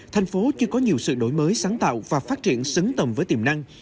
thành phố chưa có nhiều sự đổi mới sáng tạo và phát triển xứng tầm với tiềm năng